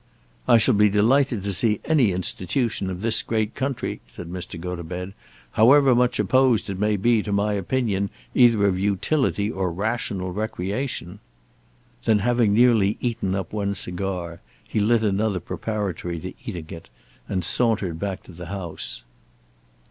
"I shall be delighted to see any institution of this great country," said Mr. Gotobed, "however much opposed it may be to my opinion either of utility or rational recreation." Then, having nearly eaten up one cigar, he lit another preparatory to eating it, and sauntered back to the house.